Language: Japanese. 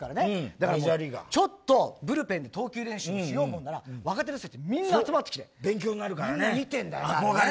だから、ちょっとブルペンで投球練習をしようものなら若手の選手みんな集まってきてみんな見てるんだよね。